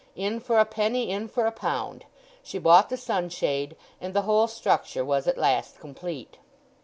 In for a penny in for a pound; she bought the sunshade, and the whole structure was at last complete.